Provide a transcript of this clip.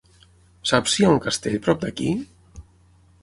Saps si hi ha un castell prop d'aquí?